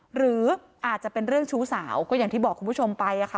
หรืออาจจะเป็นเรื่องชู้สาวก็อย่างที่บอกคุณผู้ชมไปค่ะ